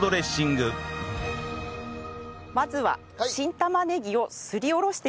まずは新玉ねぎをすりおろしてください。